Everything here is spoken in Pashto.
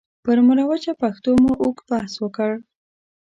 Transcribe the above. پر مروجه پښتو مو اوږد بحث وکړ.